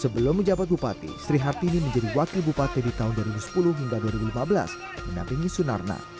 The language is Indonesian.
sebelum menjabat bupati sri hartini menjadi wakil bupati di tahun dua ribu sepuluh hingga dua ribu lima belas menampingi sunarna